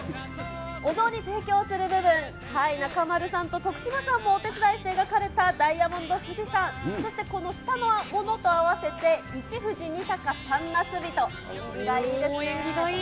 お雑煮提供する部分、中丸さんと徳島さんもお手伝いして描かれたダイヤモンド富士山、そしてこの下のものと合わせて、縁起がいい。